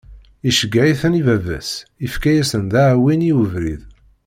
Iceggeɛ-iten i baba-s, ifka-as-ten d aɛwin i ubrid.